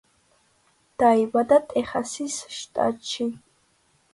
დაიბადა ტეხასის შტატში.